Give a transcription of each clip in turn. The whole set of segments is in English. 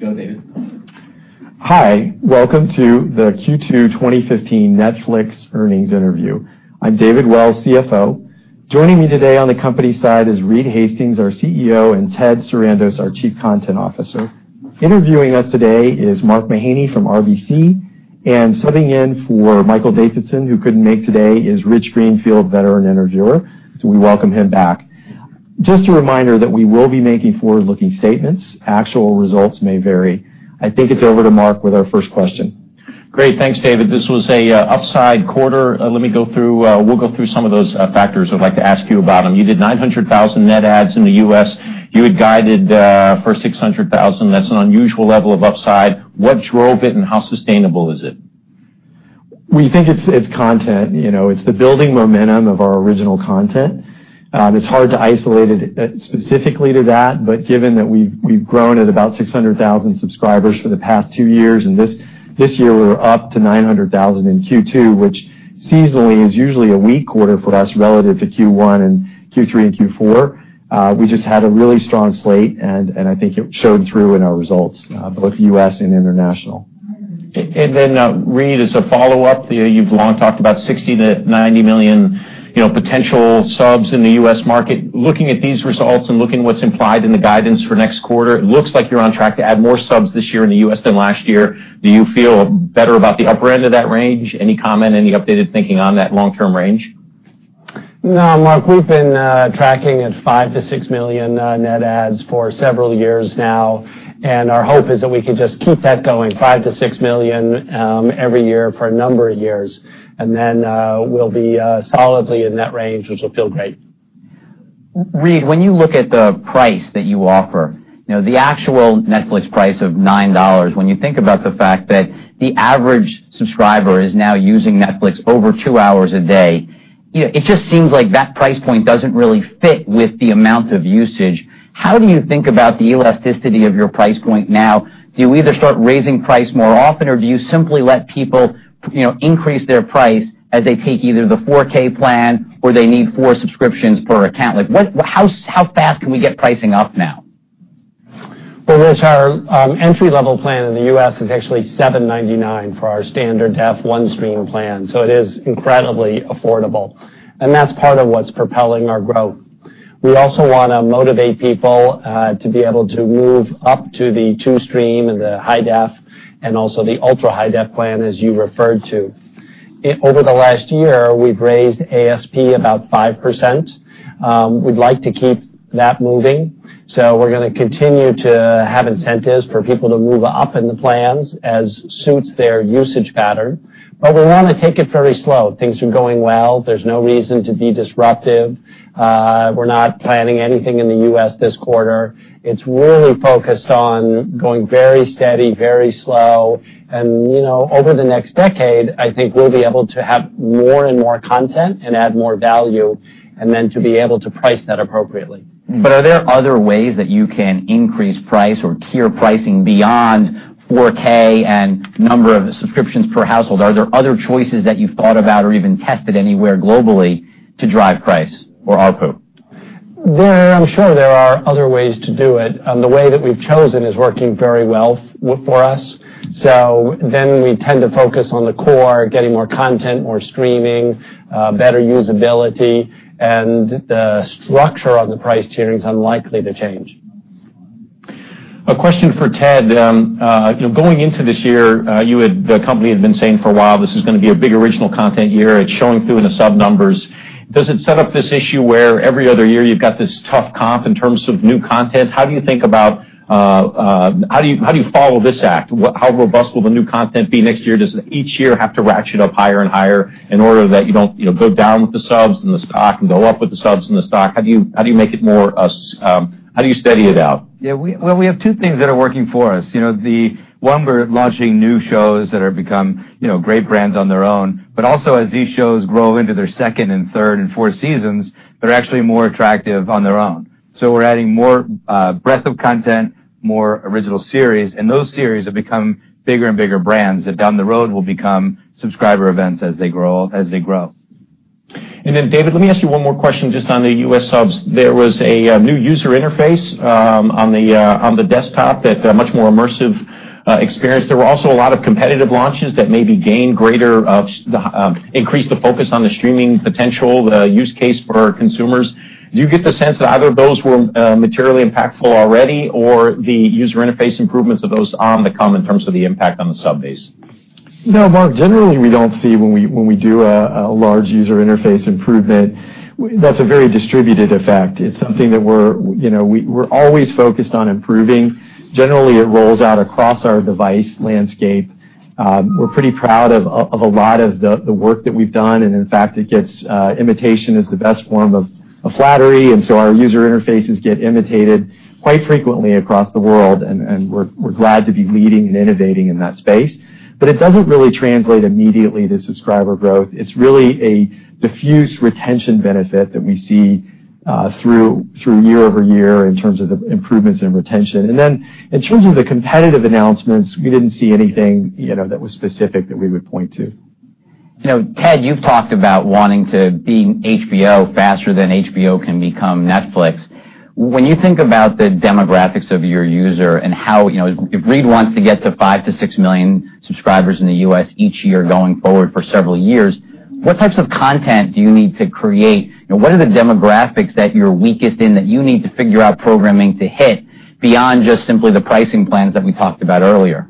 Good. Go, David. Hi. Welcome to the Q2 2015 Netflix earnings interview. I'm David Wells, CFO. Joining me today on the company side is Reed Hastings, our CEO, and Ted Sarandos, our Chief Content Officer. Interviewing us today is Mark Mahaney from RBC, and sitting in for Michael Nathanson, who couldn't make it today, is Rich Greenfield, veteran interviewer. We welcome him back. Just a reminder that we will be making forward-looking statements. Actual results may vary. I think it's over to Mark with our first question. Great. Thanks, David. This was a upside quarter. We'll go through some of those factors. I'd like to ask you about them. You did 900,000 net adds in the U.S. You had guided for 600,000. That's an unusual level of upside. What drove it, and how sustainable is it? We think it's content. It's the building momentum of our original content. It's hard to isolate it specifically to that, but given that we've grown at about 600,000 subscribers for the past two years, and this year, we were up to 900,000 in Q2, which seasonally is usually a weak quarter for us relative to Q1 and Q3 and Q4. We just had a really strong slate, and I think it showed through in our results, both U.S. and international. Reed, as a follow-up, you've long talked about 60 million-90 million potential subs in the U.S. market. Looking at these results and looking at what's implied in the guidance for next quarter, it looks like you're on track to add more subs this year in the U.S. than last year. Do you feel better about the upper end of that range? Any comment, any updated thinking on that long-term range? No, Mark, we've been tracking at 5 million-6 million net adds for several years now, and our hope is that we can just keep that going, 5 million-6 million every year for a number of years. Then we'll be solidly in that range, which will feel great. Reed, when you look at the price that you offer, the actual Netflix price of $9, when you think about the fact that the average subscriber is now using Netflix over two hours a day, it just seems like that price point doesn't really fit with the amount of usage. How do you think about the elasticity of your price point now? Do you either start raising price more often, or do you simply let people increase their price as they take either the 4K plan or they need four subscriptions per account? How fast can we get pricing up now? Well, Rich, our entry-level plan in the U.S. is actually $7.99 for our standard def one-stream plan, so it is incredibly affordable. That's part of what's propelling our growth. We also want to motivate people to be able to move up to the two-stream and the high def and also the ultra-high def plan, as you referred to. Over the last year, we've raised ASP about 5%. We'd like to keep that moving, we're going to continue to have incentives for people to move up in the plans as suits their usage pattern. We want to take it very slow. Things are going well. There's no reason to be disruptive. We're not planning anything in the U.S. this quarter. It's really focused on going very steady, very slow. Over the next decade, I think we'll be able to have more and more content and add more value, then to be able to price that appropriately. Are there other ways that you can increase price or tier pricing beyond 4K and number of subscriptions per household? Are there other choices that you've thought about or even tested anywhere globally to drive price or ARPU? I'm sure there are other ways to do it. The way that we've chosen is working very well for us. We tend to focus on the core, getting more content, more streaming, better usability, and the structure of the price tiering is unlikely to change. A question for Ted. Going into this year, the company had been saying for a while this is going to be a big original content year. It's showing through in the sub numbers. Does it set up this issue where every other year you've got this tough comp in terms of new content? How do you follow this act? How robust will the new content be next year? Does each year have to ratchet up higher and higher in order that you don't go down with the subs and the stock and go up with the subs and the stock? How do you steady it out? Yeah. Well, we have two things that are working for us. One, we're launching new shows that have become great brands on their own. Also, as these shows grow into their second and third and fourth seasons, they're actually more attractive on their own. We're adding more breadth of content, more original series, and those series have become bigger and bigger brands that down the road will become subscriber events as they grow. David, let me ask you one more question just on the U.S. subs. There was a new user interface on the desktop that's a much more immersive experience. There were also a lot of competitive launches that maybe increased the focus on the streaming potential, the use case for consumers. Do you get the sense that either of those were materially impactful already, or the user interface improvements of those are on the come in terms of the impact on the sub base? No, Mark. Generally, we don't see when we do a large user interface improvement, that's a very distributed effect. It's something that we're always focused on improving. Generally, it rolls out across our device landscape. We're pretty proud of a lot of the work that we've done. In fact, imitation is the best form of flattery, our user interfaces get imitated quite frequently across the world, and we're glad to be leading and innovating in that space. It doesn't really translate immediately to subscriber growth. It's really a diffuse retention benefit that we see through year-over-year in terms of the improvements in retention. In terms of the competitive announcements, we didn't see anything that was specific that we would point to. Ted, you've talked about wanting to be HBO faster than HBO can become Netflix. When you think about the demographics of your user, if Reed wants to get to five to six million subscribers in the U.S. each year going forward for several years, what types of content do you need to create? What are the demographics that you're weakest in that you need to figure out programming to hit beyond just simply the pricing plans that we talked about earlier?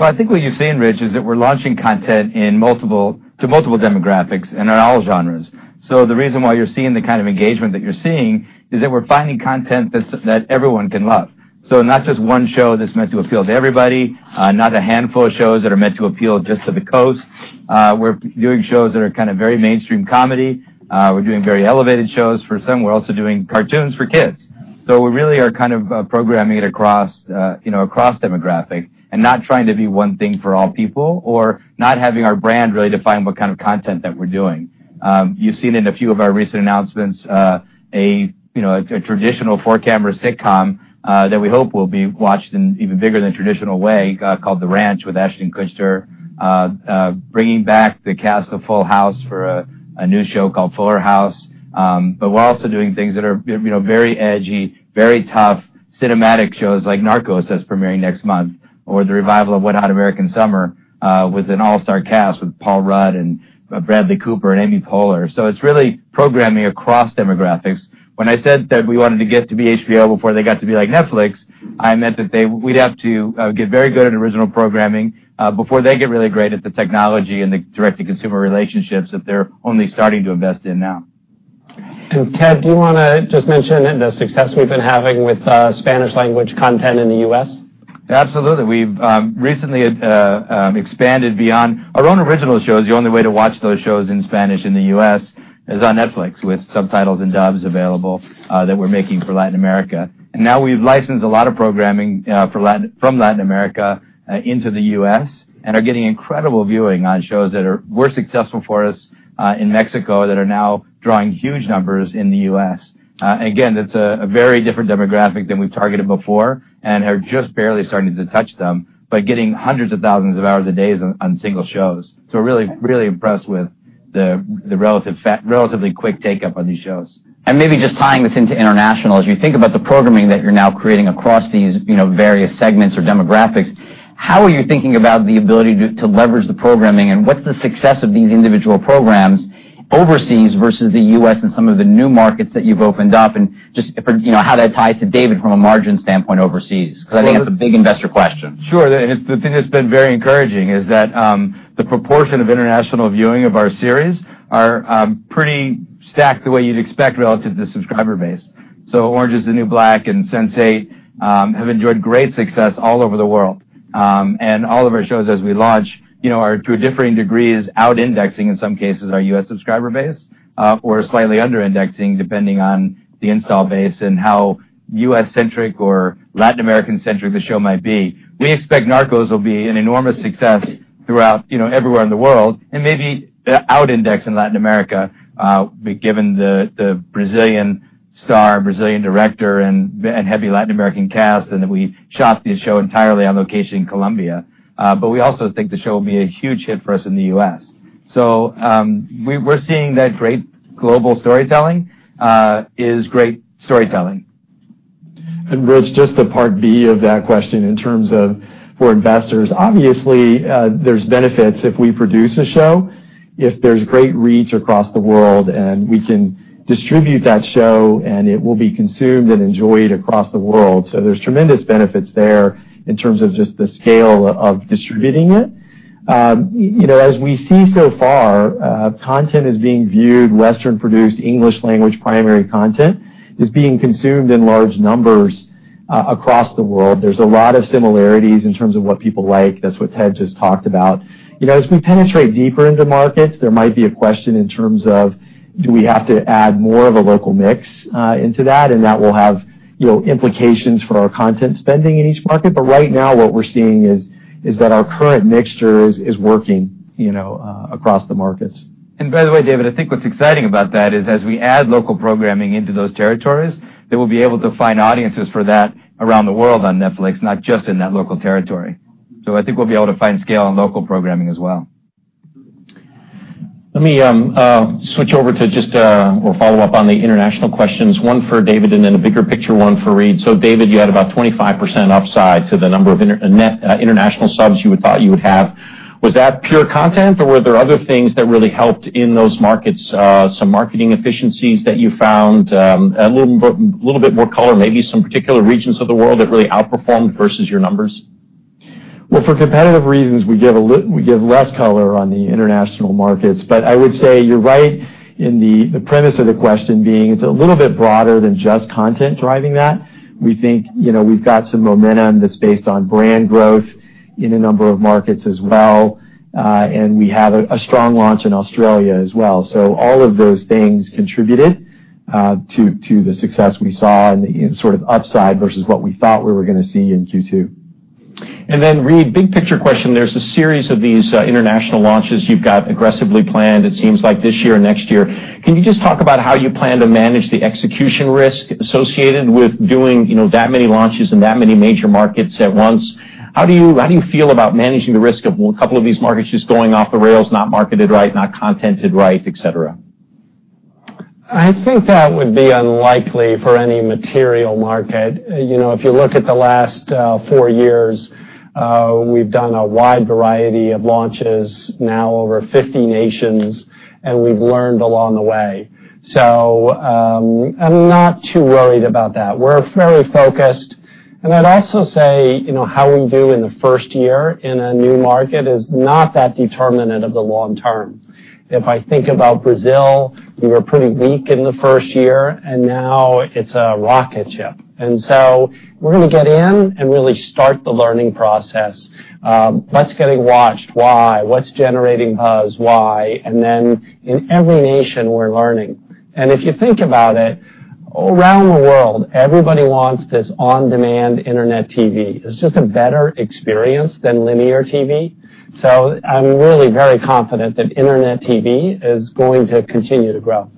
I think what you've seen, Rich, is that we're launching content to multiple demographics and in all genres. The reason why you're seeing the kind of engagement that you're seeing is that we're finding content that everyone can love. Not just one show that's meant to appeal to everybody, not a handful of shows that are meant to appeal just to the coast. We're doing shows that are very mainstream comedy. We're doing very elevated shows for some. We're also doing cartoons for kids. We really are programming it across demographic and not trying to be one thing for all people or not having our brand really define what kind of content that we're doing. You've seen in a few of our recent announcements, a traditional four-camera sitcom that we hope will be watched in even bigger than traditional way, called "The Ranch" with Ashton Kutcher, bringing back the cast of "Full House" for a new show called "Fuller House." We're also doing things that are very edgy, very tough, cinematic shows like "Narcos" that's premiering next month, or the revival of "Wet Hot American Summer" with an all-star cast with Paul Rudd and Bradley Cooper and Amy Poehler. It's really programming across demographics. When I said that we wanted to get to be HBO before they got to be like Netflix, I meant that we'd have to get very good at original programming before they get really great at the technology and the direct-to-consumer relationships that they're only starting to invest in now. Ted, do you want to just mention the success we've been having with Spanish language content in the U.S.? Absolutely. We've recently expanded beyond our own original shows. The only way to watch those shows in Spanish in the U.S. is on Netflix, with subtitles and dubs available that we're making for Latin America. Now we've licensed a lot of programming from Latin America into the U.S. and are getting incredible viewing on shows that were successful for us in Mexico that are now drawing huge numbers in the U.S. Again, that's a very different demographic than we've targeted before and are just barely starting to touch them, but getting hundreds of thousands of hours a day on single shows. We're really impressed with the relatively quick take-up on these shows. Just tying this into international, as you think about the programming that you're now creating across these various segments or demographics, how are you thinking about the ability to leverage the programming, and what's the success of these individual programs overseas versus the U.S. and some of the new markets that you've opened up, and just how that ties to David from a margin standpoint overseas? I think that's a big investor question. Sure. The thing that's been very encouraging is that the proportion of international viewing of our series are pretty stacked the way you'd expect relative to subscriber base. "Orange Is the New Black" and "Sense8" have enjoyed great success all over the world. All of our shows as we launch, to differing degrees, out-indexing in some cases our U.S. subscriber base, or slightly under-indexing depending on the install base and how U.S.-centric or Latin American-centric the show might be. We expect "Narcos" will be an enormous success throughout everywhere in the world, and maybe out-index in Latin America, given the Brazilian star, Brazilian director, and heavy Latin American cast, and that we shot the show entirely on location in Colombia. We also think the show will be a huge hit for us in the U.S. We're seeing that great global storytelling is great storytelling. Rich, just the part B of that question in terms of for investors, obviously, there's benefits if we produce a show, if there's great reach across the world, and we can distribute that show, and it will be consumed and enjoyed across the world. There's tremendous benefits there in terms of just the scale of distributing it. As we see so far, content is being viewed, Western-produced English language primary content is being consumed in large numbers across the world. There's a lot of similarities in terms of what people like. That's what Ted just talked about. As we penetrate deeper into markets, there might be a question in terms of do we have to add more of a local mix into that, and that will have implications for our content spending in each market. Right now what we're seeing is that our current mixture is working across the markets. By the way, David, I think what's exciting about that is as we add local programming into those territories, they will be able to find audiences for that around the world on Netflix, not just in that local territory. I think we'll be able to find scale on local programming as well. Let me switch over to we'll follow up on the international questions, one for David and then a bigger picture one for Reed. David, you had about 25% upside to the number of international subs you thought you would have. Was that pure content, or were there other things that really helped in those markets? Some marketing efficiencies that you found, a little bit more color, maybe some particular regions of the world that really outperformed versus your numbers? Well, for competitive reasons, we give less color on the international markets. I would say you're right in the premise of the question being it's a little bit broader than just content driving that. We think we've got some momentum that's based on brand growth in a number of markets as well. We have a strong launch in Australia as well. All of those things contributed to the success we saw in the upside versus what we thought we were going to see in Q2. Reed, big picture question. There's a series of these international launches you've got aggressively planned, it seems like this year and next year. Can you just talk about how you plan to manage the execution risk associated with doing that many launches in that many major markets at once? How do you feel about managing the risk of a couple of these markets just going off the rails, not marketed right, not contented right, et cetera? I think that would be unlikely for any material market. If you look at the last 4 years, we've done a wide variety of launches, now over 50 nations, and we've learned along the way. I'm not too worried about that. We're fairly focused. I'd also say how we do in the first year in a new market is not that determinant of the long term. If I think about Brazil, we were pretty weak in the first year, and now it's a rocket ship. We're going to get in and really start the learning process. What's getting watched? Why? What's generating buzz? Why? In every nation, we're learning. If you think about it, around the world, everybody wants this on-demand internet TV. It's just a better experience than linear TV. I'm really very confident that internet TV is going to continue to grow.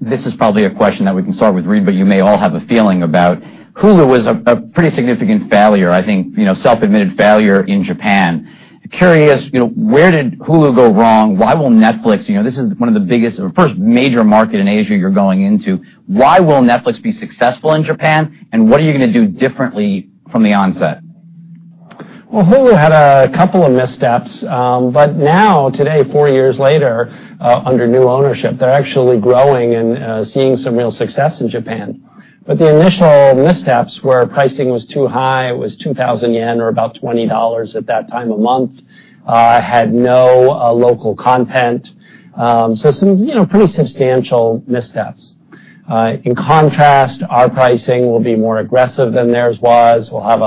This is probably a question that we can start with Reed, but you may all have a feeling about. Hulu was a pretty significant failure, I think, self-admitted failure in Japan. Curious, where did Hulu go wrong? This is one of the biggest or first major market in Asia you're going into. Why will Netflix be successful in Japan, and what are you going to do differently from the onset? Hulu had a couple of missteps. Now, today, 4 years later, under new ownership, they're actually growing and seeing some real success in Japan. The initial missteps were pricing was too high. It was 2,000 yen or about $20 at that time a month, had no local content. Some pretty substantial missteps. In contrast, our pricing will be more aggressive than theirs was. We'll have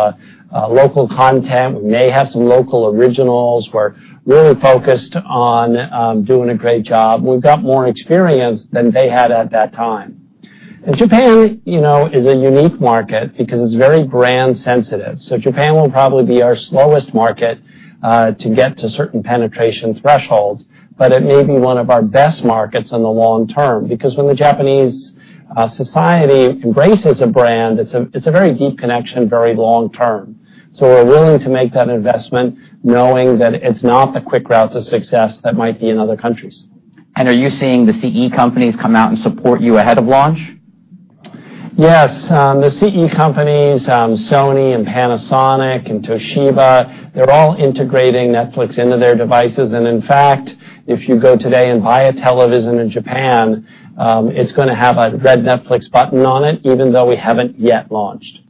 local content. We may have some local originals. We're really focused on doing a great job. We've got more experience than they had at that time. Japan is a unique market because it's very brand sensitive. Japan will probably be our slowest market to get to certain penetration thresholds, but it may be one of our best markets in the long term, because when the Japanese society embraces a brand, it's a very deep connection, very long term. We're willing to make that investment knowing that it's not the quick route to success that might be in other countries. Are you seeing the CE companies come out and support you ahead of launch? Yes. The CE companies, Sony and Panasonic and Toshiba, they're all integrating Netflix into their devices. In fact, if you go today and buy a television in Japan, it's going to have a red Netflix button on it, even though we haven't yet launched.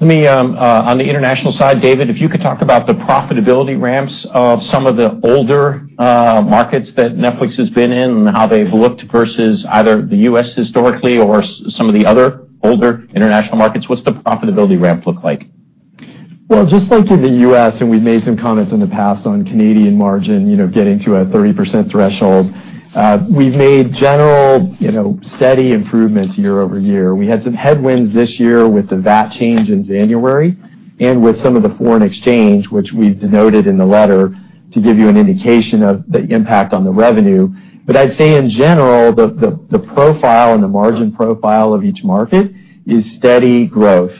On the international side, David, if you could talk about the profitability ramps of some of the older markets that Netflix has been in and how they've looked versus either the U.S. historically or some of the other older international markets. What's the profitability ramp look like? Well, just like in the U.S., we've made some comments in the past on Canadian margin getting to a 30% threshold. We've made general steady improvements year-over-year. We had some headwinds this year with the VAT change in January and with some of the foreign exchange, which we've denoted in the letter to give you an indication of the impact on the revenue. I'd say in general, the profile and the margin profile of each market is steady growth.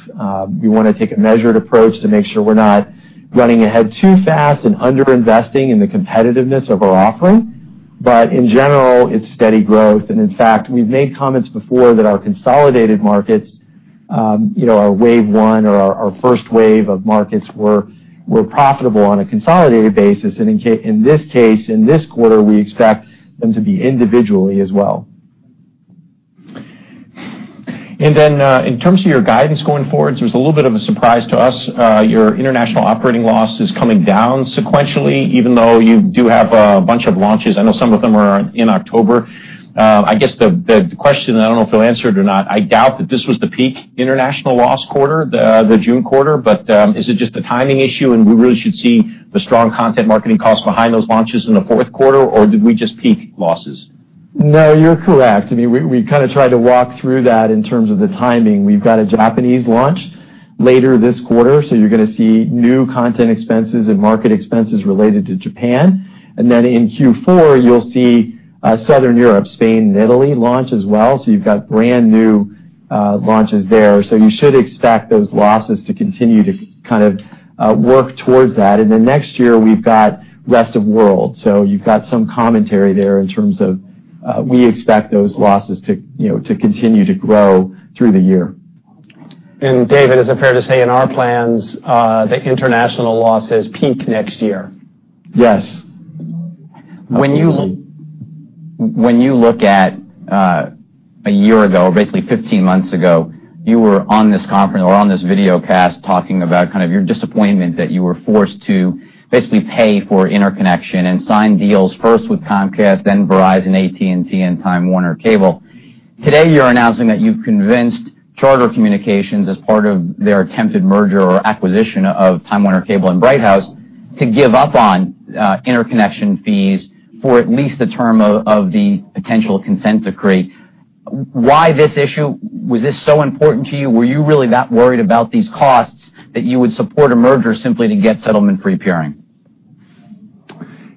We want to take a measured approach to make sure we're not running ahead too fast and under-investing in the competitiveness of our offering. In general, it's steady growth. In fact, we've made comments before that our consolidated markets, our wave one or our first wave of markets were profitable on a consolidated basis. In this case, in this quarter, we expect them to be individually as well. In terms of your guidance going forward, it's a little bit of a surprise to us. Your international operating loss is coming down sequentially, even though you do have a bunch of launches. I know some of them are in October. I guess the question, I don't know if you'll answer it or not, I doubt that this was the peak international loss quarter, the June quarter, but is it just a timing issue and we really should see the strong content marketing costs behind those launches in the fourth quarter, or did we just peak losses? No, you're correct. I mean, we kind of tried to walk through that in terms of the timing. We've got a Japanese launch later this quarter, you're going to see new content expenses and market expenses related to Japan. In Q4, you'll see Southern Europe, Spain, and Italy launch as well. You've got brand-new launches there. You should expect those losses to continue to kind of work towards that. Next year, we've got rest of world. You've got some commentary there in terms of we expect those losses to continue to grow through the year. David, is it fair to say in our plans, the international losses peak next year? Yes. Absolutely. When you look at a year ago, basically 15 months ago, you were on this conference or on this videocast talking about your disappointment that you were forced to basically pay for interconnection and sign deals first with Comcast, then Verizon, AT&T, and Time Warner Cable. Today, you're announcing that you've convinced Charter Communications as part of their attempted merger or acquisition of Time Warner Cable and Bright House to give up on interconnection fees for at least the term of the potential consent decree. Why this issue? Was this so important to you? Were you really that worried about these costs that you would support a merger simply to get settlement-free peering?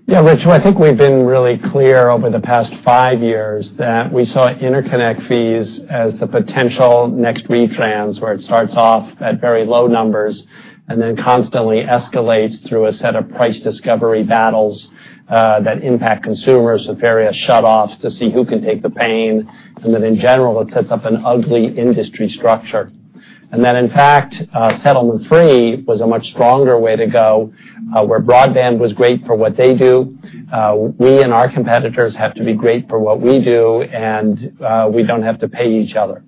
Rich, I think we've been really clear over the past five years that we saw interconnect fees as the potential next retrans, where it starts off at very low numbers and then constantly escalates through a set of price discovery battles that impact consumers with various shutoffs to see who can take the pain. In general, it sets up an ugly industry structure. In fact, settlement-free was a much stronger way to go, where broadband was great for what they do. We and our competitors have to be great for what we do, and we don't have to pay each other.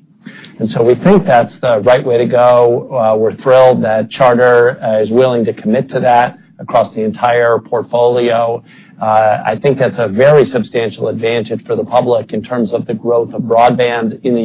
We think that's the right way to go. We're thrilled that Charter is willing to commit to that across the entire portfolio. That's a very substantial advantage for the public in terms of the growth of broadband in the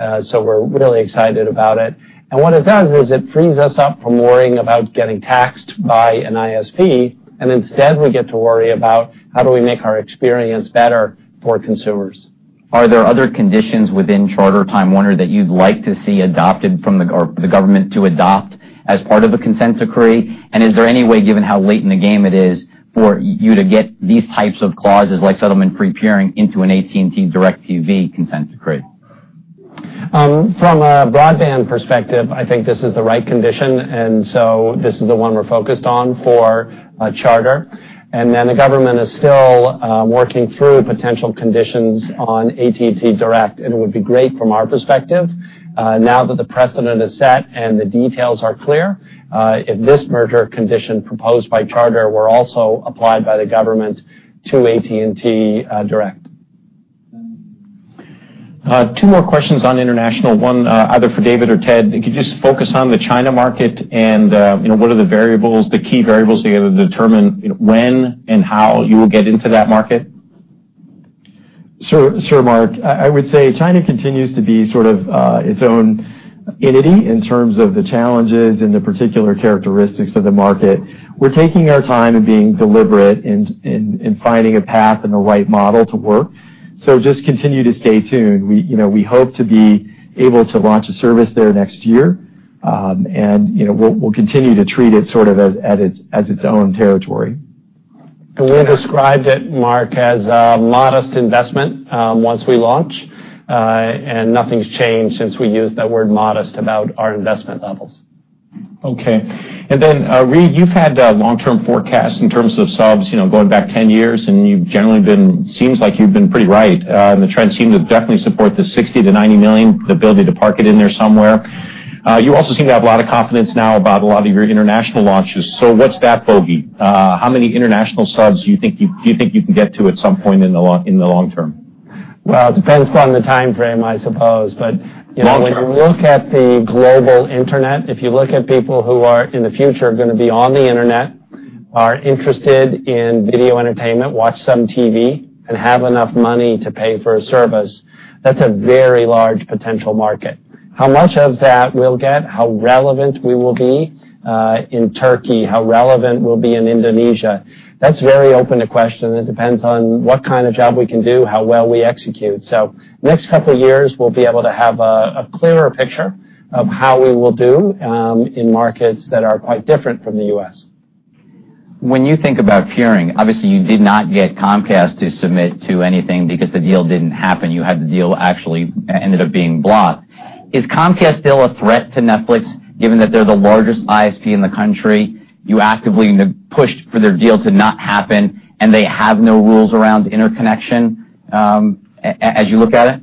U.S., we're really excited about it. What it does is it frees us up from worrying about getting taxed by an ISP, instead we get to worry about how do we make our experience better for consumers. Are there other conditions within Charter Time Warner that you'd like the government to adopt as part of the consent decree? Is there any way, given how late in the game it is, for you to get these types of clauses like settlement-free peering into an AT&T DIRECTV consent decree? From a broadband perspective, I think this is the right condition, this is the one we're focused on for Charter. The government is still working through potential conditions on AT&T DIRECTV. It would be great from our perspective, now that the precedent is set and the details are clear, if this merger condition proposed by Charter were also applied by the government to AT&T DIRECTV. Two more questions on international. One either for David or Ted. Could you just focus on the China market, what are the key variables that are going to determine when and how you will get into that market? Sure, Mark. I would say China continues to be sort of its own entity in terms of the challenges and the particular characteristics of the market. We're taking our time and being deliberate in finding a path and the right model to work. Just continue to stay tuned. We hope to be able to launch a service there next year. We'll continue to treat it sort of as its own territory. We described it, Mark, as a modest investment once we launch. Nothing's changed since we used that word modest about our investment levels. Okay. Reed, you've had long-term forecasts in terms of subs going back 10 years, you've generally been pretty right. The trends seem to definitely support the 60-90 million, the ability to park it in there somewhere. You also seem to have a lot of confidence now about a lot of your international launches. What's that bogey? How many international subs do you think you can get to at some point in the long term? Well, it depends upon the time frame, I suppose. Long term You look at the global internet, if you look at people who are in the future going to be on the internet, are interested in video entertainment, watch some TV, and have enough money to pay for a service, that's a very large potential market. How much of that we'll get, how relevant we will be in Turkey, how relevant we'll be in Indonesia, that's very open to question. It depends on what kind of job we can do, how well we execute. Next couple of years, we'll be able to have a clearer picture of how we will do in markets that are quite different from the U.S. You think about peering, obviously you did not get Comcast to submit to anything because the deal didn't happen. You had the deal actually ended up being blocked. Is Comcast still a threat to Netflix, given that they're the largest ISP in the country, you actively pushed for their deal to not happen, and they have no rules around interconnection, as you look at it?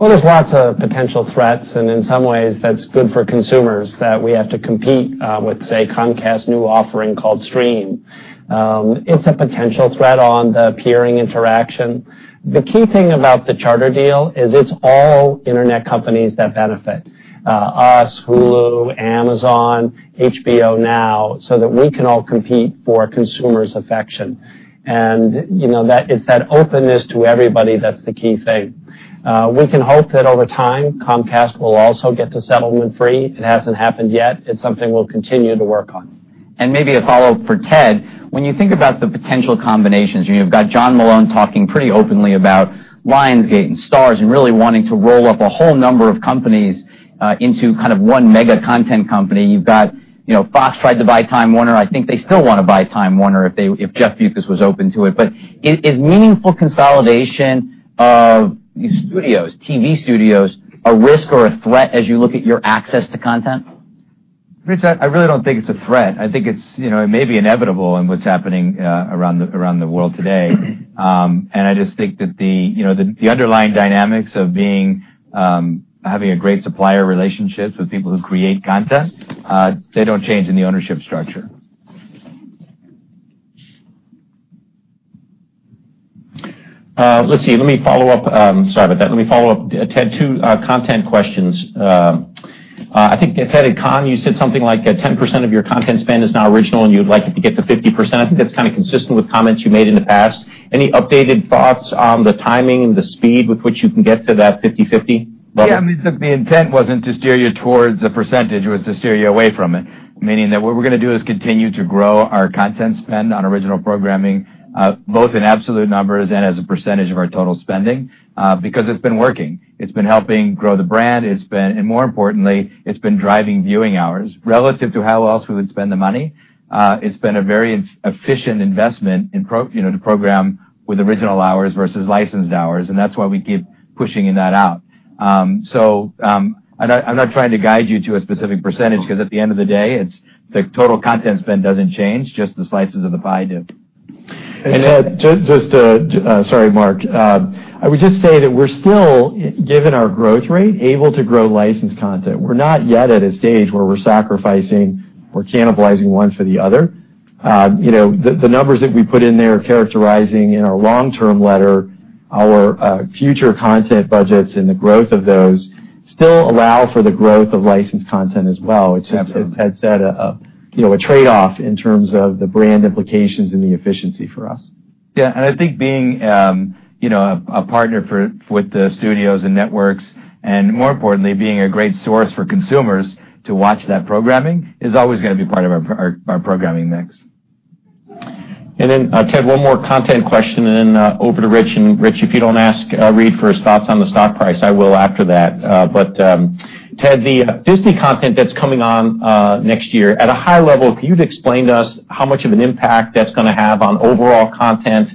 There's lots of potential threats, and in some ways, that's good for consumers that we have to compete with, say, Comcast's new offering called Stream. It's a potential threat on the peering interaction. The key thing about the Charter deal is it's all internet companies that benefit. Us, Hulu, Amazon, HBO Now, that we can all compete for a consumer's affection. It's that openness to everybody that's the key thing. We can hope that over time, Comcast will also get to settlement free. It hasn't happened yet. It's something we'll continue to work on. Maybe a follow-up for Ted. When you think about the potential combinations, you've got John Malone talking pretty openly about Lionsgate and Starz and really wanting to roll up a whole number of companies into kind of one mega content company. You've got Fox tried to buy Time Warner. I think they still want to buy Time Warner if Jeff Bewkes was open to it. Is meaningful consolidation of studios, TV studios, a risk or a threat as you look at your access to content? Rich, I really don't think it's a threat. I think it may be inevitable in what's happening around the world today. I just think that the underlying dynamics of having a great supplier relationship with people who create content, they don't change in the ownership structure. Let's see. Let me follow up. Sorry about that. Let me follow up, Ted. Two content questions. I think at VidCon you said something like 10% of your content spend is now original, and you'd like it to get to 50%. I think that's kind of consistent with comments you made in the past. Any updated thoughts on the timing and the speed with which you can get to that 50/50 level? Yeah, I mean, the intent wasn't to steer you towards a percentage. It was to steer you away from it. Meaning that what we're going to do is continue to grow our content spend on original programming both in absolute numbers and as a percentage of our total spending because it's been working. It's been helping grow the brand. More importantly, it's been driving viewing hours. Relative to how else we would spend the money, it's been a very efficient investment to program with original hours versus licensed hours, and that's why we keep pushing that out. I'm not trying to guide you to a specific percentage because at the end of the day, the total content spend doesn't change, just the slices of the pie do. Sorry, Mark. I would just say that we're still, given our growth rate, able to grow licensed content. We're not yet at a stage where we're sacrificing or cannibalizing one for the other. The numbers that we put in there characterizing in our long-term letter, our future content budgets, and the growth of those still allow for the growth of licensed content as well. It's just, as Ted said, a trade-off in terms of the brand implications and the efficiency for us. Yeah. I think being a partner with the studios and networks, and more importantly, being a great source for consumers to watch that programming is always going to be part of our programming mix. Ted, one more content question and then over to Rich. Rich, if you don't ask Reed for his thoughts on the stock price, I will after that. Ted, the Disney content that's coming on next year, at a high level, can you explain to us how much of an impact that's going to have on overall content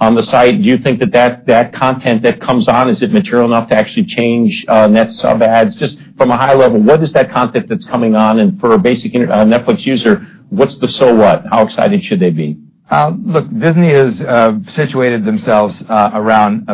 on the site? Do you think that content that comes on, is it material enough to actually change net sub adds? Just from a high level, what is that content that's coming on? For a basic Netflix user, what's the so what? How excited should they be? Look, Disney has situated themselves around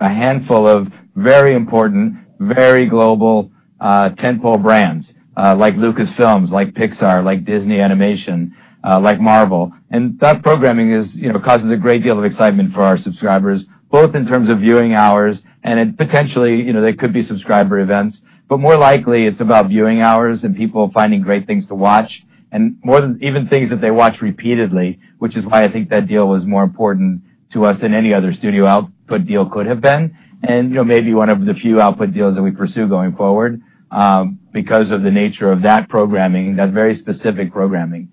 a handful of very important, very global tent-pole brands like Lucasfilm, like Pixar, like Disney Animation, like Marvel. That programming causes a great deal of excitement for our subscribers, both in terms of viewing hours and potentially there could be subscriber events. More likely it's about viewing hours and people finding great things to watch and even things that they watch repeatedly, which is why I think that deal was more important to us than any other studio output deal could have been. Maybe one of the few output deals that we pursue going forward because of the nature of that programming, that very specific programming.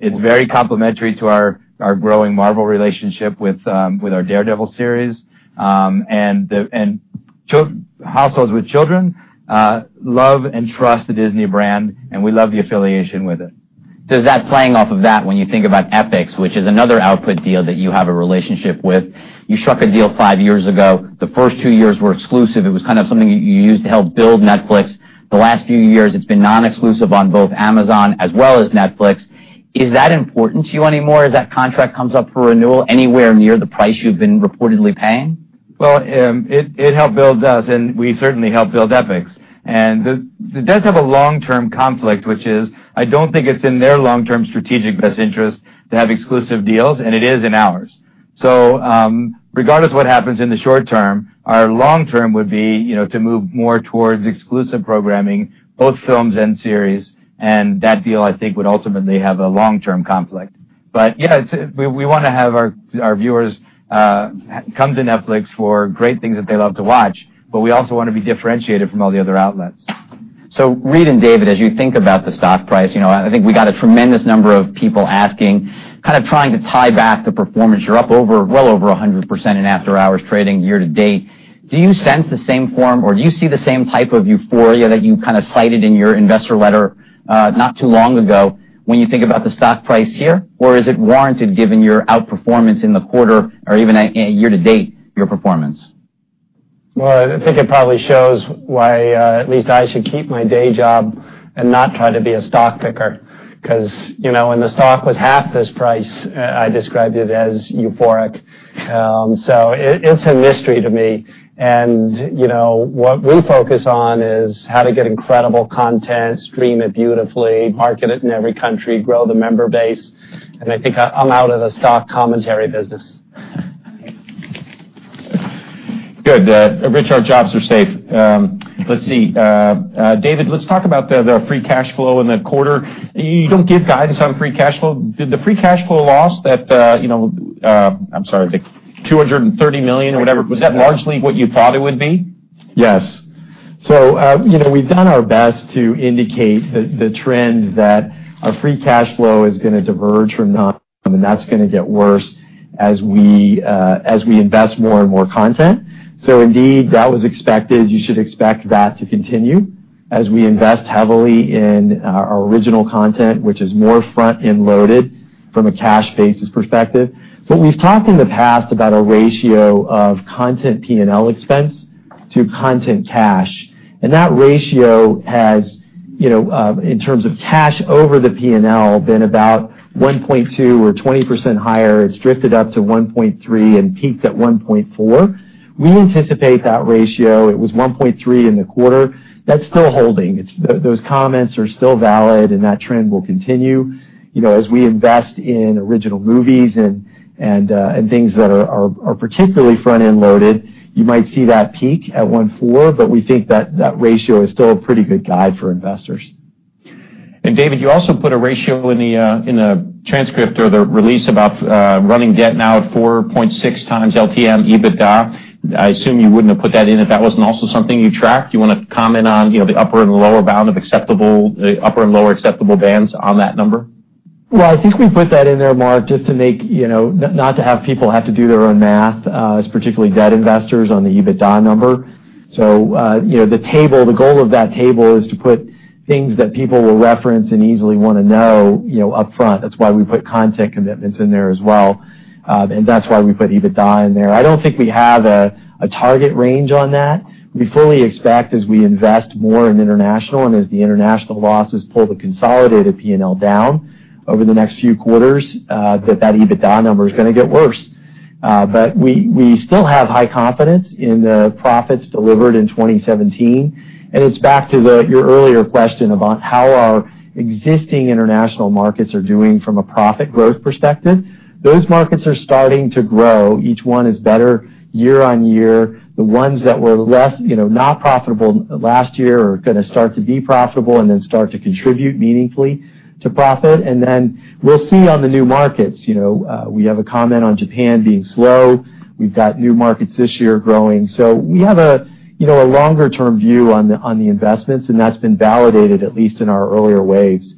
It's very complementary to our growing Marvel relationship with our "Daredevil" series. Households with children love and trust the Disney brand, and we love the affiliation with it. Does that playing off of that when you think about Epix, which is another output deal that you have a relationship with? You struck a deal five years ago. The first two years were exclusive. It was something that you used to help build Netflix. The last few years, it's been non-exclusive on both Amazon as well as Netflix. Is that important to you anymore as that contract comes up for renewal anywhere near the price you've been reportedly paying? Well, it helped build us, and we certainly helped build Epix. It does have a long-term conflict, which is I don't think it's in their long-term strategic best interest to have exclusive deals, and it is in ours. Regardless of what happens in the short term, our long term would be to move more towards exclusive programming, both films and series. That deal, I think, would ultimately have a long-term conflict. Yeah, we want to have our viewers come to Netflix for great things that they love to watch, but we also want to be differentiated from all the other outlets. Reed and David, as you think about the stock price, I think we got a tremendous number of people asking, trying to tie back the performance. You're up well over 100% in after-hours trading year-to-date. Do you sense the same form or do you see the same type of euphoria that you cited in your investor letter not too long ago when you think about the stock price here? Is it warranted given your outperformance in the quarter or even year-to-date, your performance? Well, I think it probably shows why at least I should keep my day job and not try to be a stock picker, because when the stock was half this price, I described it as euphoric. It's a mystery to me. What we focus on is how to get incredible content, stream it beautifully, market it in every country, grow the member base. I think I'm out of the stock commentary business. Good. Rich, our jobs are safe. Let's see. David, let's talk about the free cash flow in the quarter. You don't give guidance on free cash flow. I'm sorry, the $230 million or whatever, was that largely what you thought it would be? Yes. We've done our best to indicate the trend that our free cash flow is going to diverge from, and that's going to get worse as we invest more and more content. Indeed, that was expected. You should expect that to continue as we invest heavily in our original content, which is more front-end loaded from a cash basis perspective. We've talked in the past about a ratio of content P&L expense to content cash, and that ratio has, in terms of cash over the P&L, been about 1.2 or 20% higher. It's drifted up to 1.3 and peaked at 1.4. We anticipate that ratio, it was 1.3 in the quarter. That's still holding. Those comments are still valid, and that trend will continue. As we invest in original movies and things that are particularly front-end loaded, you might see that peak at 1.4. We think that that ratio is still a pretty good guide for investors. David, you also put a ratio in the transcript or the release about running debt now at 4.6 times LTM EBITDA. I assume you wouldn't have put that in if that wasn't also something you tracked. Do you want to comment on the upper and lower acceptable bands on that number? I think we put that in there, Mark Mahaney, not to have people have to do their own math, as particularly debt investors on the EBITDA number. The goal of that table is to put things that people will reference and easily want to know upfront. That's why we put content commitments in there as well. That's why we put EBITDA in there. I don't think we have a target range on that. We fully expect as we invest more in international and as the international losses pull the consolidated P&L down over the next few quarters, that that EBITDA number is going to get worse. We still have high confidence in the profits delivered in 2017. It's back to your earlier question about how our existing international markets are doing from a profit growth perspective. Those markets are starting to grow. Each one is better year-over-year. The ones that were not profitable last year are going to start to be profitable and then start to contribute meaningfully to profit. Then we'll see on the new markets. We have a comment on Japan being slow. We've got new markets this year growing. We have a longer-term view on the investments, and that's been validated at least in our earlier waves.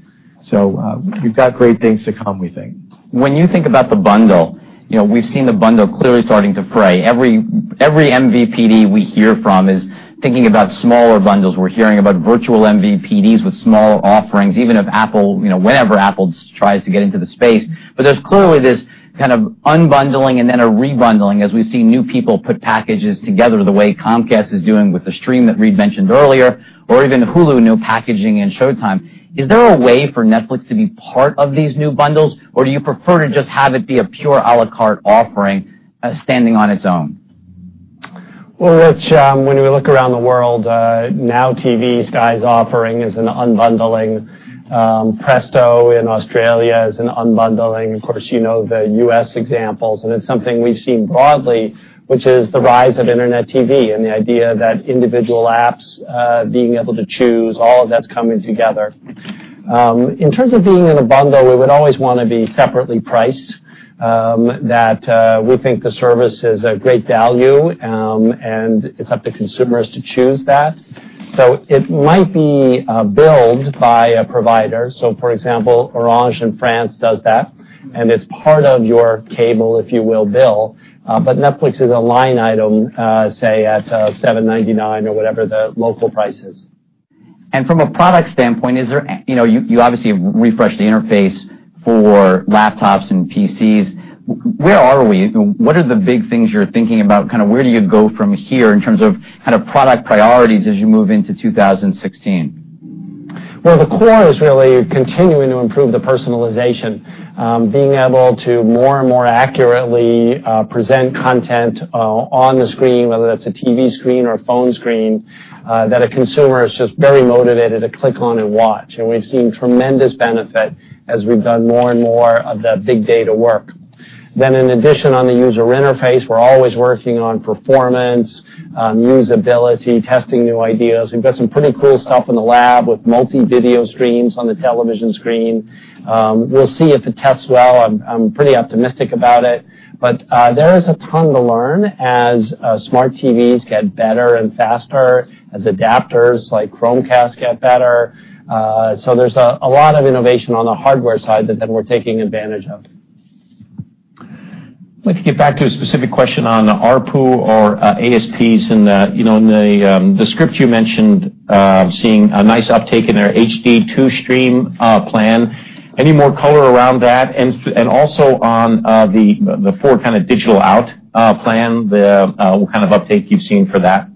We've got great things to come, we think. When you think about the bundle, we've seen the bundle clearly starting to fray. Every MVPD we hear from is thinking about smaller bundles. We're hearing about virtual MVPDs with smaller offerings, even if Apple, whenever Apple tries to get into the space. There's clearly this kind of unbundling and then a rebundling as we see new people put packages together the way Comcast is doing with the Stream that Reed Hastings mentioned earlier, or even Hulu, new packaging, and Showtime. Is there a way for Netflix to be part of these new bundles, or do you prefer to just have it be a pure à la carte offering standing on its own? Rich Greenfield, when we look around the world, Now TV Sky's offering is an unbundling. Presto in Australia is an unbundling. Of course, you know the U.S. examples, it's something we've seen broadly, which is the rise of internet TV and the idea that individual apps being able to choose, all of that's coming together. In terms of being in a bundle, we would always want to be separately priced, that we think the service is a great value, and it's up to consumers to choose that. It might be billed by a provider. For example, Orange in France does that, and it's part of your cable, if you will, bill. Netflix is a line item, say, at $7.99 or whatever the local price is. From a product standpoint, you obviously have refreshed the interface for laptops and PCs. Where are we? What are the big things you're thinking about? Where do you go from here in terms of product priorities as you move into 2016? Well, the core is really continuing to improve the personalization. Being able to more and more accurately present content on the screen, whether that's a TV screen or a phone screen, that a consumer is just very motivated to click on and watch. We've seen tremendous benefit as we've done more and more of that big data work. In addition on the user interface, we're always working on performance, usability, testing new ideas. We've got some pretty cool stuff in the lab with multi-video streams on the television screen. We'll see if it tests well. I'm pretty optimistic about it. There is a ton to learn as smart TVs get better and faster, as adapters like Chromecast get better. There's a lot of innovation on the hardware side that then we're taking advantage of. I'd like to get back to a specific question on ARPU or ASPs. In the script you mentioned seeing a nice uptick in our HD two-stream plan. Any more color around that? Also on the four digital out plan, what kind of uptake you've seen for that?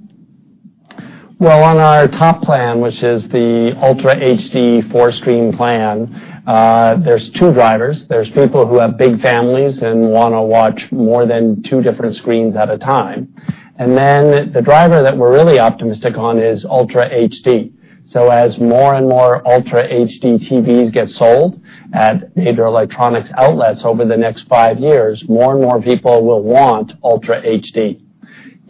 Well, on our top plan, which is the Ultra HD four-stream plan, there's two drivers. There's people who have big families and want to watch more than two different screens at a time. The driver that we're really optimistic on is Ultra HD. As more and more Ultra HD TVs get sold at major electronics outlets over the next five years, more and more people will want Ultra HD.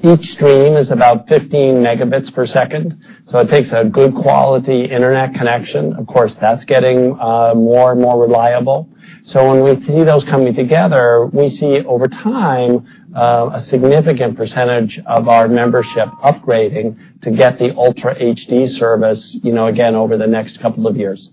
Each stream is about 15 megabits per second, so it takes a good quality internet connection. Of course, that's getting more and more reliable. When we see those coming together, we see over time a significant percentage of our membership upgrading to get the Ultra HD service, again, over the next couple of years.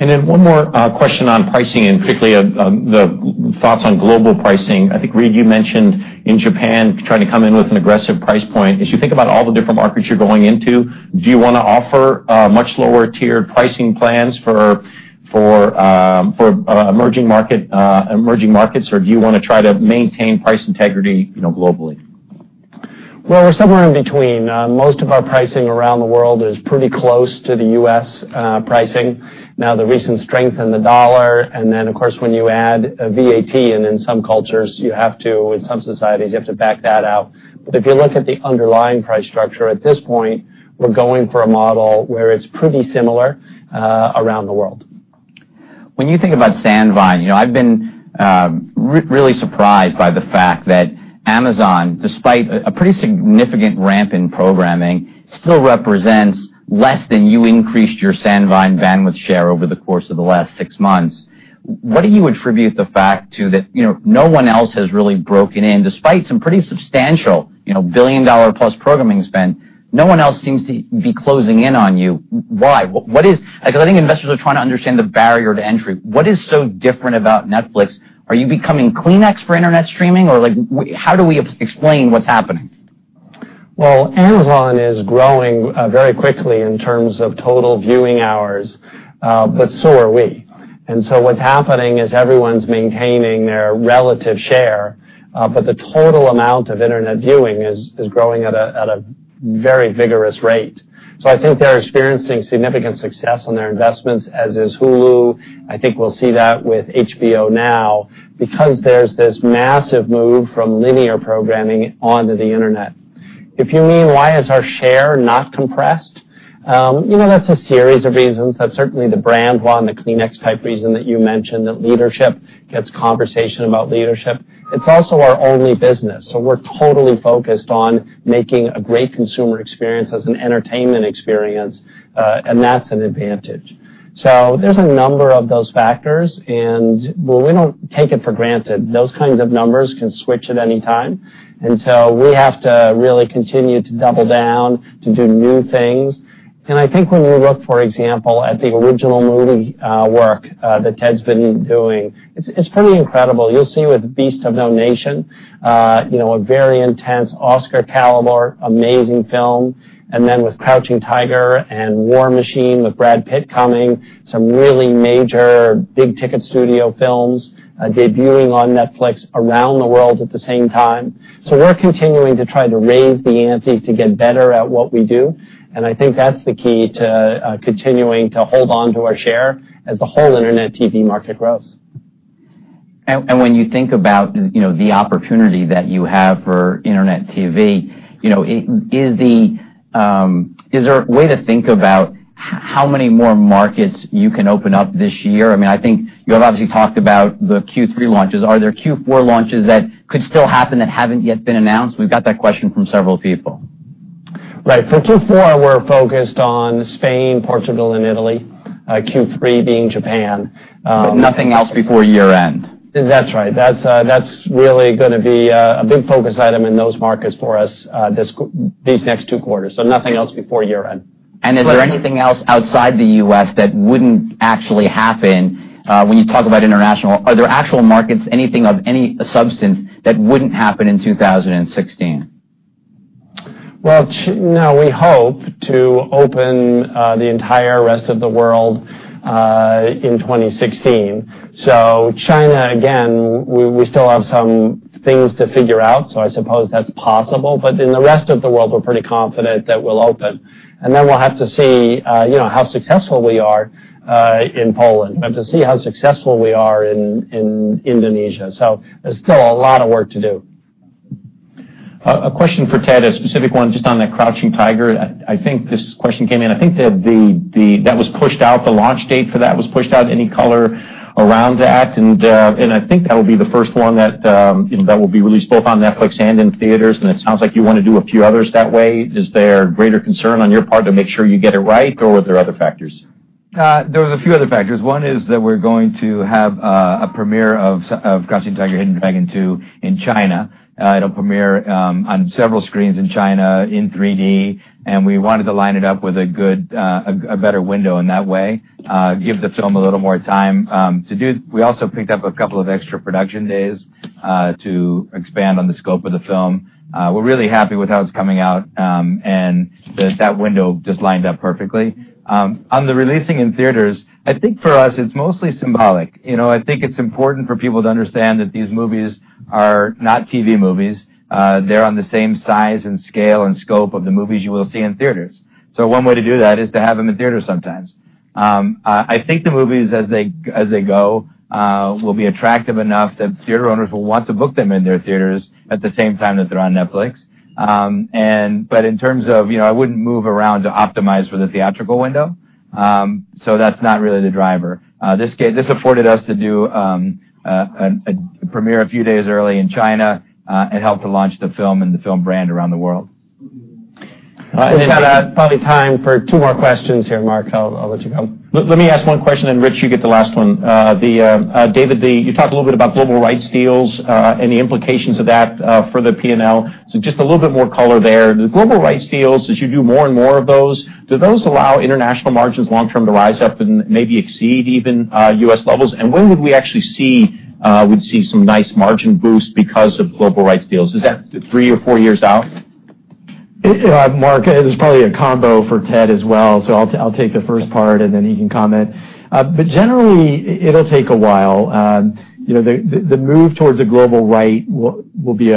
One more question on pricing and quickly the thoughts on global pricing. I think, Reed, you mentioned in Japan trying to come in with an aggressive price point. As you think about all the different markets you're going into, do you want to offer much lower tiered pricing plans for emerging markets, or do you want to try to maintain price integrity globally? We're somewhere in between. Most of our pricing around the world is pretty close to the U.S. pricing. The recent strength in the dollar, and then, of course, when you add VAT, and in some cultures, you have to, in some societies, you have to back that out. If you look at the underlying price structure, at this point, we're going for a model where it's pretty similar around the world. When you think about Sandvine, I've been really surprised by the fact that Amazon, despite a pretty significant ramp in programming, still represents less than you increased your Sandvine bandwidth share over the course of the last six months. What do you attribute the fact to that no one else has really broken in? Despite some pretty substantial billion-dollar-plus programming spend, no one else seems to be closing in on you. Why? Investors are trying to understand the barrier to entry. What is so different about Netflix? Are you becoming Kleenex for internet streaming, or how do we explain what's happening? Amazon is growing very quickly in terms of total viewing hours, but so are we. What's happening is everyone's maintaining their relative share, but the total amount of internet viewing is growing at a very vigorous rate. I think they're experiencing significant success on their investments, as is Hulu. I think we'll see that with HBO Now because there's this massive move from linear programming onto the internet. If you mean why is our share not compressed, that's a series of reasons. That's certainly the brand one, the Kleenex type reason that you mentioned, that leadership gets conversation about leadership. It's also our only business, so we're totally focused on making a great consumer experience as an entertainment experience, and that's an advantage. There's a number of those factors and, well, we don't take it for granted. Those kinds of numbers can switch at any time. We have to really continue to double down to do new things. I think when you look, for example, at the original movie work that Ted's been doing, it's pretty incredible. You'll see with "Beasts of No Nation," a very intense Oscar caliber, amazing film, and then with "Crouching Tiger" and "War Machine" with Brad Pitt coming, some really major big-ticket studio films debuting on Netflix around the world at the same time. We're continuing to try to raise the ante to get better at what we do. I think that's the key to continuing to hold onto our share as the whole internet TV market grows. When you think about the opportunity that you have for internet TV, is there a way to think about how many more markets you can open up this year? I think you have obviously talked about the Q3 launches. Are there Q4 launches that could still happen that haven't yet been announced? We've got that question from several people. Right. For Q4, we're focused on Spain, Portugal, and Italy, Q3 being Japan. Nothing else before year-end. That's right. That's really going to be a big focus item in those markets for us these next two quarters. Nothing else before year-end. Is there anything else outside the U.S. that wouldn't actually happen? When you talk about international, are there actual markets, anything of any substance that wouldn't happen in 2016? Well, no. We hope to open the entire rest of the world in 2016. China, again, we still have some things to figure out, so I suppose that's possible. In the rest of the world, we're pretty confident that we'll open, and then we'll have to see how successful we are in Poland, we'll have to see how successful we are in Indonesia. There's still a lot of work to do. A question for Ted, a specific one just on that "Crouching Tiger." I think this question came in. I think that was pushed out, the launch date for that was pushed out. Any color around that? I think that will be the first one that will be released both on Netflix and in theaters, and it sounds like you want to do a few others that way. Is there greater concern on your part to make sure you get it right, or were there other factors? There was a few other factors. One is that we're going to have a premiere of "Crouching Tiger, Hidden Dragon 2" in China. It'll premiere on several screens in China in 3D, and we wanted to line it up with a better window in that way, give the film a little more time to do. We also picked up a couple of extra production days to expand on the scope of the film. We're really happy with how it's coming out, and that window just lined up perfectly. On the releasing in theaters, I think for us, it's mostly symbolic. I think it's important for people to understand that these movies are not TV movies. They're on the same size and scale and scope of the movies you will see in theaters. One way to do that is to have them in theaters sometimes. I think the movies as they go, will be attractive enough that theater owners will want to book them in their theaters at the same time that they're on Netflix. In terms of, I wouldn't move around to optimize for the theatrical window. That's not really the driver. This afforded us to do a premiere a few days early in China. It helped to launch the film and the film brand around the world. We've got probably time for two more questions here, Mark. I'll let you go. Let me ask one question and Rich, you get the last one. David, you talked a little bit about global rights deals, and the implications of that for the P&L. Just a little bit more color there. The global rights deals, as you do more and more of those, do those allow international margins long-term to rise up and maybe exceed even U.S. levels? When would we actually see some nice margin boost because of global rights deals? Is that three or four years out? Mark, this is probably a combo for Ted as well, so I'll take the first part, then he can comment. Generally, it'll take a while. The move towards a global right will be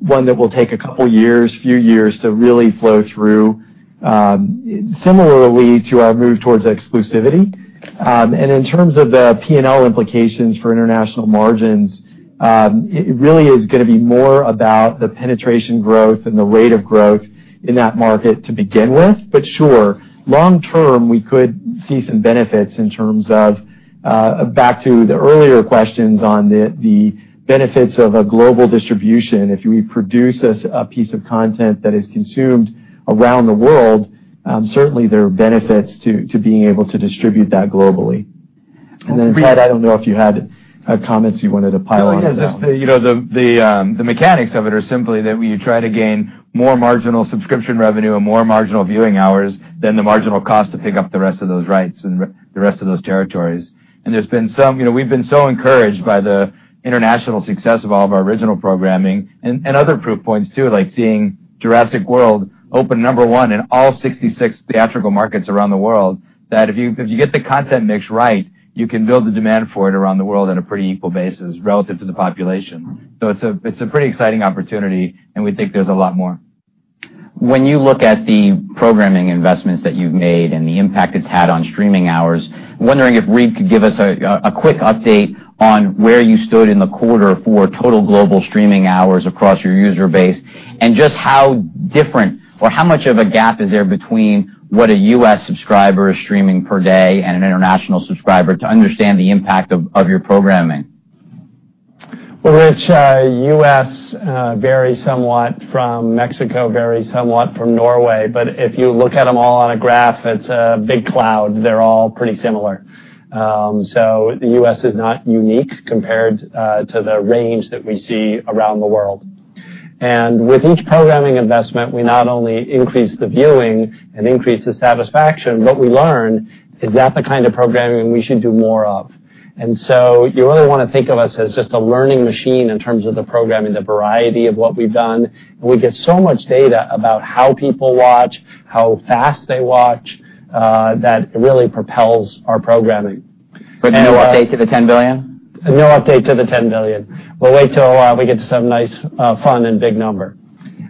one that will take a couple years, few years to really flow through. Similarly to our move towards exclusivity. In terms of the P&L implications for international margins, it really is going to be more about the penetration growth and the rate of growth in that market to begin with. Sure, long term, we could see some benefits in terms of back to the earlier questions on the benefits of a global distribution. If we produce a piece of content that is consumed around the world, certainly there are benefits to being able to distribute that globally. Ted, I don't know if you had comments you wanted to pile on to that. Oh, yeah. Just the mechanics of it are simply that we try to gain more marginal subscription revenue and more marginal viewing hours than the marginal cost to pick up the rest of those rights and the rest of those territories. We've been so encouraged by the international success of all of our original programming and other proof points too, like seeing "Jurassic World" open number one in all 66 theatrical markets around the world. That if you get the content mix right, you can build the demand for it around the world on a pretty equal basis relative to the population. It's a pretty exciting opportunity, and we think there's a lot more. When you look at the programming investments that you've made and the impact it's had on streaming hours, wondering if Reed could give us a quick update on where you stood in the quarter for total global streaming hours across your user base, and just how different or how much of a gap is there between what a U.S. subscriber is streaming per day and an international subscriber to understand the impact of your programming? Well, Rich, U.S. varies somewhat from Mexico, varies somewhat from Norway, if you look at them all on a graph, it's a big cloud. They're all pretty similar. The U.S. is not unique compared to the range that we see around the world. With each programming investment, we not only increase the viewing and increase the satisfaction, what we learn is that the kind of programming we should do more of. You really want to think of us as just a learning machine in terms of the programming, the variety of what we've done, and we get so much data about how people watch, how fast they watch, that really propels our programming. No update to the $10 billion? No update to the $10 billion. We'll wait till we get to some nice fun and big number.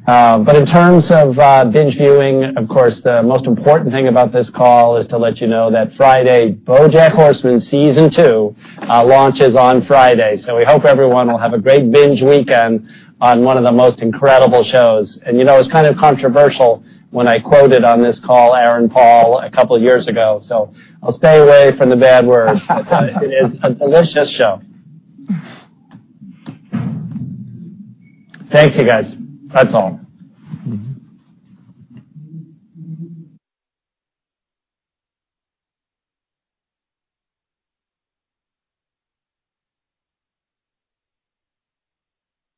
In terms of binge viewing, of course, the most important thing about this call is to let you know that Friday, "BoJack Horseman" Season 2 launches on Friday. We hope everyone will have a great binge weekend on one of the most incredible shows. It was kind of controversial when I quoted on this call Aaron Paul a couple of years ago, so I'll stay away from the bad words. It is a delicious show. Thanks, you guys. That's all.